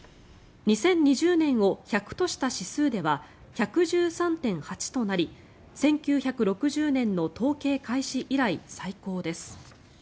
２０２０年を１００とした指数では１１３．８となり１９６０年の統計開始以来最高です。